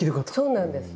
そうなんです。